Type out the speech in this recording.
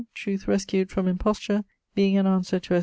Truth rescued from imposture, being an answer to S.